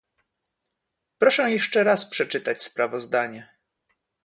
Proszę jeszcze raz przeczytać sprawozdanie